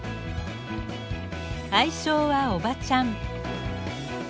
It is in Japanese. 愛称は「おばちゃん」。